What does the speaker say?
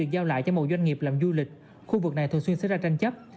và cho một doanh nghiệp làm du lịch khu vực này thường xuyên xảy ra tranh chấp